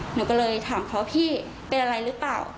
หนูก็เลยถามเขาพี่เป็นอะไรหรือเปล่า